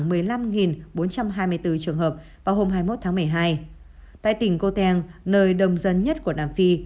trong hai mươi bốn trường hợp vào hôm hai mươi một tháng một mươi hai tại tỉnh cô teng nơi đồng dân nhất của nam phi